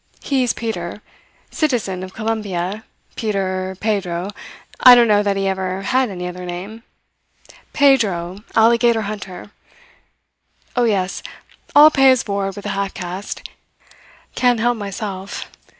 He's Peter. Citizen of Colombia. Peter, Pedro I don't know that he ever had any other name. Pedro, alligator hunter. Oh, yes I'll pay his board with the half caste. Can't help myself.